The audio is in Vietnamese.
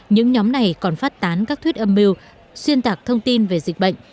những nhóm này còn phát tán các thuyết âm mưu xuyên tạc thông tin về dịch bệnh